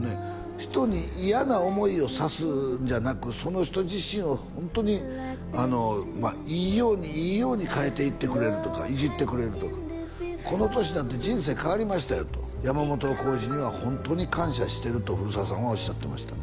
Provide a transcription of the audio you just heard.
人に嫌な思いをさすんじゃなくその人自身をホントにいいようにいいように変えていってくれるとかいじってくれるとかこの歳になって人生変わりましたよと山本耕史にはホントに感謝してると古澤さんはおっしゃってましたね